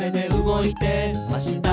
「動いてました」